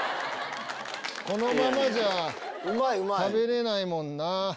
このままじゃ食べれないもんな。